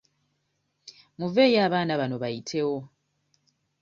Muveeyo abaana bano bayitewo.